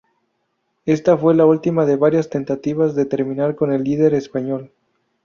Ésta fue la última de varias tentativas de terminar con el líder español.